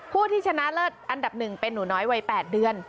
ผู้ที่ชนะเลิศอันดับ๑เป็นหนูน้อยวัย๘เดือน